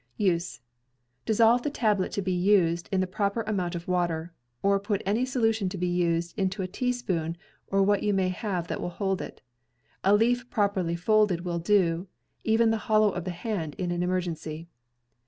USE— Dissolve the tablet to be used in the proper amount 318 CAMPING AND WOODCRAFT of water, or put any solution to be used into a teaspoon or what you may have that will hold it. A leaf properly folded will do; even the hollow of the hand in an emergency.